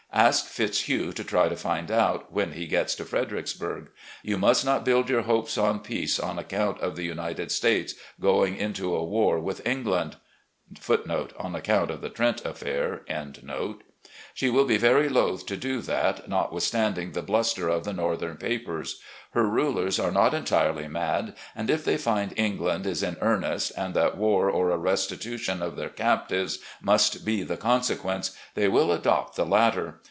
Ask Fitzhugh to try to find out, when he gets to Fredericksburg. Y ou must not build your hopes on peace on account of the United States going into a war with England.* She will be very loath to do that, notwithstand ing the bluster of the Northern papers. Her rulers are not entirely mad, and if they find England is in earnest, and that war or a restitution of their captives must be the consequence, they will adopt the latter.